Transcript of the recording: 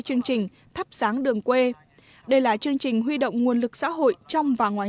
chương trình thắp sáng đường quê đây là chương trình huy động nguồn lực xã hội trong và ngoài